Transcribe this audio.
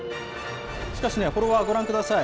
しかし、フォロワーご覧ください。